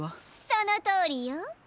そのとおりよ。